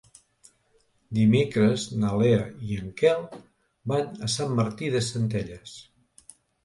Dimecres na Lea i en Quel van a Sant Martí de Centelles.